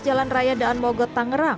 jalan raya daan mogot tangerang